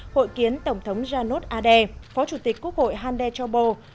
hội kiến tổng thống janos ade phó chủ tịch quốc hội hande chobo